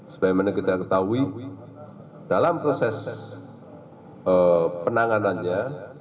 sebagaimana kita ketahui dalam proses penanganannya